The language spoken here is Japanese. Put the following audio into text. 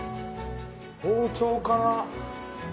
包丁から。